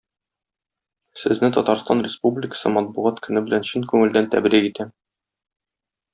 Сезне Татарстан Республикасы Матбугат көне белән чын күңелдән тәбрик итәм.